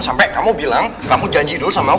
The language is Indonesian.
sampai kamu bilang kamu janji dulu sama